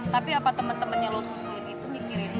tapi apa temen temennya lo susul gitu mikirin